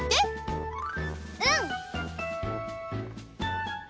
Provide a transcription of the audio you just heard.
うん。